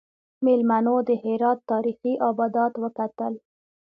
میلمنو د هرات تاریخي ابدات وکتل.